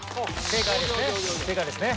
正解ですね。